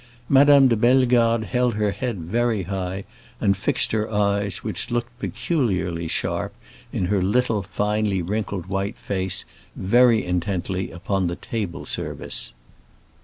Madame de Bellegarde held her head very high, and fixed her eyes, which looked peculiarly sharp in her little, finely wrinkled white face, very intently upon the table service.